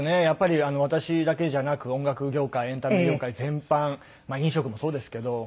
やっぱり私だけじゃなく音楽業界エンタメ業界全般飲食もそうですけど。